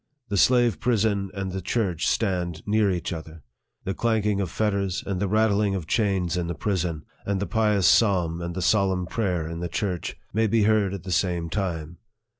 The slave prison and the church stand near each other. The clanking of fetters and the rattling of chains in the prison, and the pious psalm and solemn prayer in the church, may be heard at the same time.